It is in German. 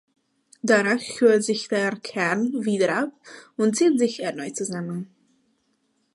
Danach kühlt sich der Kern wieder ab und zieht sich erneut zusammen.